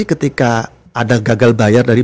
ketika ada gagal bayar dari